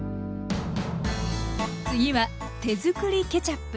次は手づくりケチャップ。